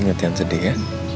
ngetean sedih ya